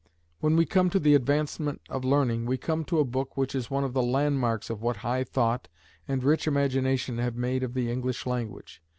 When we come to the Advancement of Learning, we come to a book which is one of the landmarks of what high thought and rich imagination have made of the English language.